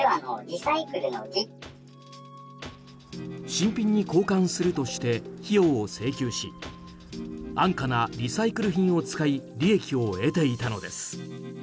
新品に交換するとして費用を請求し安価なリサイクル品を使い利益を得ていたのです。